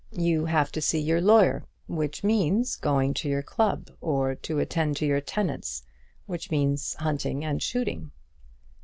You have to see your lawyer, which means going to your club; or to attend to your tenants, which means hunting and shooting."